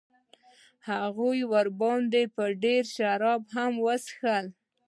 هغه ورباندې ډېر شراب هم وڅښل.